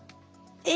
え。